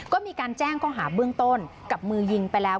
ก็มีการแจ้งข้อหาเบื้องต้นกับมือยิงไปแล้ว